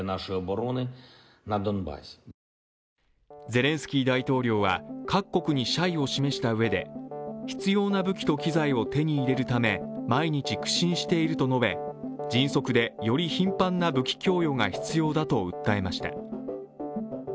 ゼレンスキー大統領は各国に謝意を示したうえで必要な武器と機材を手に入れるため、毎日苦心していると述べ迅速でより頻繁な武器供与が必要だと訴えました。